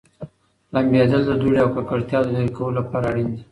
لمبېدل د دوړې او ککړتیاوو د لېرې کولو لپاره اړین دي.